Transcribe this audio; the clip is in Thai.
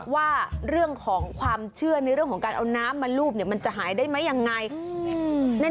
ว่าเรื่องของความเชื่อในเรื่องของการเอาน้ำมาลูบมันจะหายได้ไหมยังไง